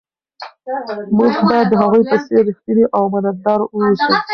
موږ باید د هغوی په څیر ریښتیني او امانتدار واوسو.